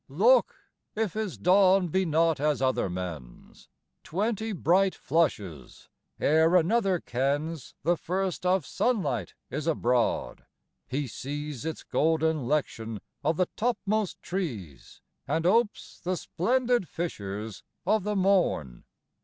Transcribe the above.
Look if his dawn be not as other men's! Twenty bright flushes ere another kens The first of sunlight is abroad he sees Its golden 'lection of the topmost trees, And opes the splendid fissures of the morn.